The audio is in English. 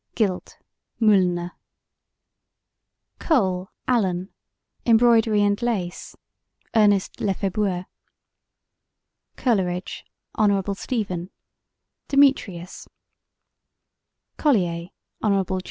Guilt (Mullner) COLE, ALAN: Embroidery and Lace (Ernest Lefebure) COLERIDGE, HON. STEPHEN: Demetrius COLLIER, HON.